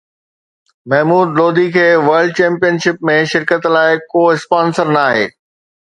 محمود لوڌي کي world championship ۾ شرڪت لاءِ ڪو اسپانسر ناهي